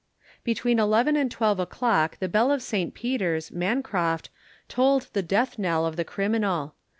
Between 11 and 12 o'clock the bell of St Peter's, Mancroft, tolled the death knell of the criminal.